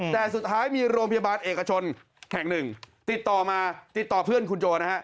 แต่สุดท้ายมีโรงพยาบาลเอกชนแห่งหนึ่งติดต่อมาติดต่อเพื่อนคุณโจนะฮะ